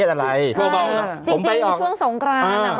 จริงช่วงสงครานะ